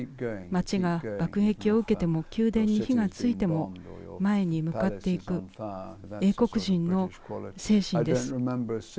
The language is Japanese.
街が爆撃を受けても宮殿に火がついても前に向かっていく英国人の精神です。